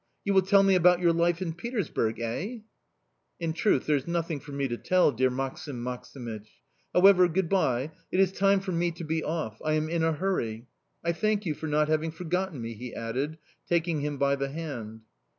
You will tell me about your life in Petersburg... Eh?"... "In truth, there's nothing for me to tell, dear Maksim Maksimych... However, good bye, it is time for me to be off... I am in a hurry... I thank you for not having forgotten me," he added, taking him by the hand.